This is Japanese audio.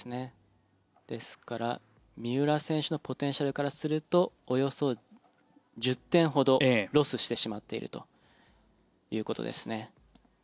ですから、三浦選手のポテンシャルからするとおよそ１０点ほどロスしてしまっているということですね。